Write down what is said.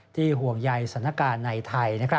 ห่วงใยสถานการณ์ในไทย